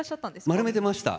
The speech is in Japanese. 丸めてました。